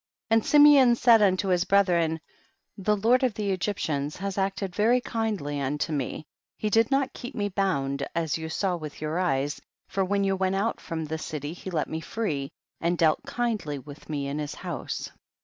5. And Simeon said unto his brethren, the lord of the Egyptians has acted very kindly unto me, he ■did not keep me bound, as you saw with your eyes, for when you went out from the city he let me free and dealt kindly with me in his house.